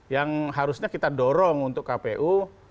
yang harusnya kita dorong untuk kpu